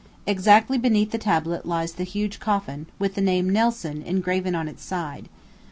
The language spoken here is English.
Exactly beneath the tablet lies the huge coffin, with the name "NELSON" engraven on its side.